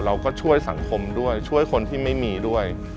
เราก็ช่วยสังคมด้วยช่วยคนที่ไม่มีด้วย